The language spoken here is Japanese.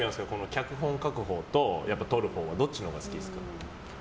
脚本を書くほうと撮るほうどっちが好きですか？